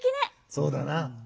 そうだな。